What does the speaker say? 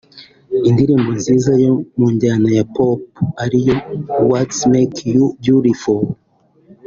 Indirimbo nziza yo munjyana ya Pop ariyo “What’s Make You Beautful”